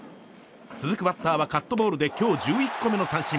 続くバッターはカットボールで今日１１個目の三振。